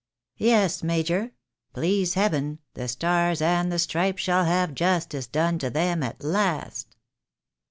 Yes, major, please Heaven, the Stars and the Stripes shall have justice done to them at last